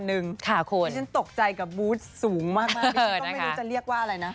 อืมค่ะคุณที่ฉันตกใจกับบูตสูงมากนะคะไม่รู้จะเรียกว่าอะไรนะ